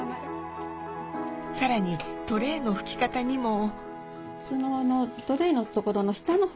さらにトレイの拭き方にも。